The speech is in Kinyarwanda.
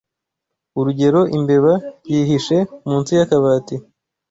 Urugero Imbeba yihishe munsi y’akabati